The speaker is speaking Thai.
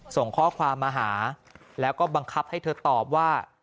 ส่งข้อความมาหาแล้วก็บังคับให้เธอตอบว่า